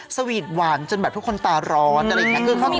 สวีทหวานจนแบบทุกคนตาร้อนอะไรอย่างนี้